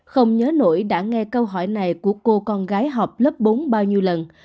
không nhớ nổi đã nghe câu hỏi này của cô con gái học lớp bốn bao nhiêu lần